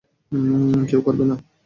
কেউ করবে না।